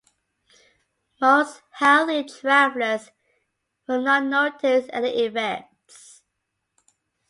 Most healthy travelers will not notice any effects.